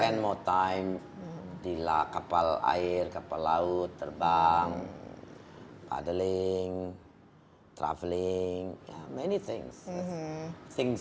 spend more time di kapal air kapal laut terbang paddling travelling many things